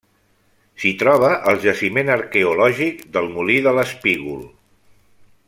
S'hi troba el jaciment arqueològic del Molí de l'Espígol.